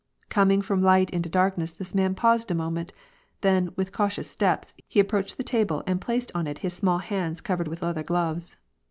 Coming from light into dark ness this man paused a moment, then, with cautious steps, he approached the table and placed on it his small hands covered with leather gloves.